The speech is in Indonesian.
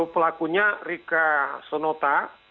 pelakunya rika sonota